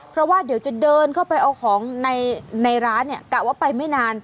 เพราะว่าเดี๋ยวจะเดินเข้าไปเอาของในร้านเนี่ยกะว่าไปไม่นาน